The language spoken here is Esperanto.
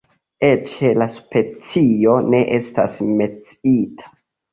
Eĉ la specio ne estas menciita.